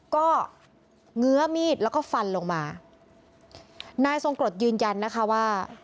ก็เงื้อมีดแล้วก็ฟันลงมานายทรงกรดยืนยันนะคะว่า